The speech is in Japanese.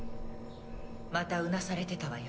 またうなされてたわよ。